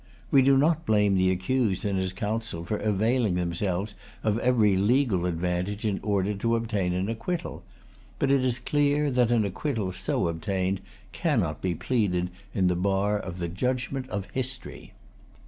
We do not blame the accused and his counsel for availing themselves of every legal advantage in order to obtain an acquittal. But it is clear that an acquittal so obtained cannot be pleaded in bar of the judgment of history.